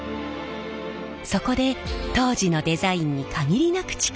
そこで当時のデザインに限りなく近い形で復刻。